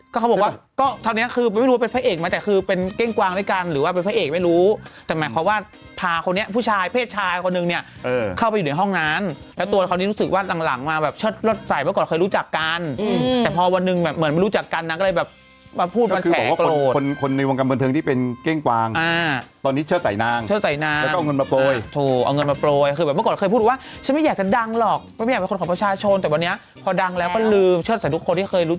ก็เขาบอกว่าก็ทำเนี้ยคือไม่รู้ว่าเป็นพระเอกไหมแต่คือเป็นเก้งกวางด้วยกันหรือว่าเป็นพระเอกไม่รู้แต่หมายความว่าพาคนนี้ผู้ชายเพศชายคนนึงเนี้ยเออเข้าไปอยู่ในห้องนั้นแล้วตัวคนนี้รู้สึกว่าหลังหลังมาแบบเชิดรถใส่เมื่อก่อนเคยรู้จักกันอืมแต่พอวันนึงแบบเหมือนไม่รู้จักกันนะก็เลยแบ